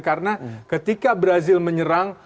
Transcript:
karena ketika brazil menyerang